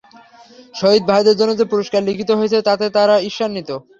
শহীদ ভাইদের জন্য যে পুরস্কার লিখিত হয়েছে তাতে তারা ঈর্ষান্বিত।